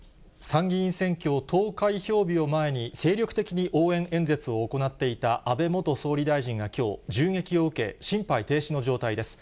参議院選挙投開票日を前に、精力的に応援演説を行っていた安倍元総理大臣がきょう、銃撃を受け、心肺停止の状態です。